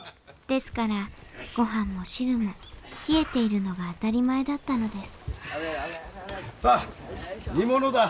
ですからご飯も汁も冷えているのが当たり前だったのですさあ煮物だ。